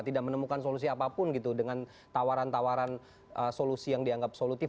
tidak menemukan solusi apapun gitu dengan tawaran tawaran solusi yang dianggap solutif